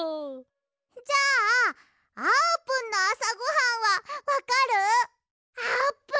じゃああーぷんのあさごはんはわかる？